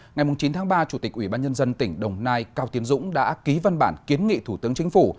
ngày chín tháng ba chủ tịch ủy ban nhân dân tỉnh đồng nai cao tiến dũng đã ký văn bản kiến nghị thủ tướng chính phủ